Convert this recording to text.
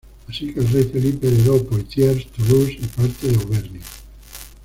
Así que el rey Felipe heredó Poitiers, Toulouse y parte de Auvernia.